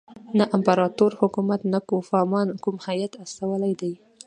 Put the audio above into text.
نه امپراطور حکومت نه کوفمان کوم هیات استولی دی.